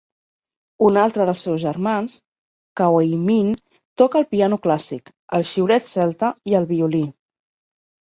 Un altre del seus germans, Caoimhin, toca el piano clàssic, el xiulet celta i el violí.